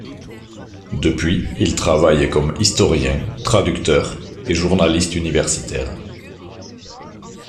Depuis, il travaille comme historien, traducteur et journaliste universitaire.